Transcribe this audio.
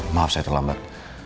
maaf saya terlambat